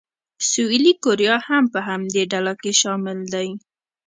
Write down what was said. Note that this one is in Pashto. سویلي کوریا هم په همدې ډله کې شامل دی.